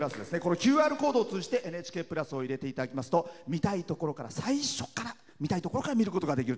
ＱＲコードを通じて「ＮＨＫプラス」を入れていただきますと見たいところから最初から見ることができる。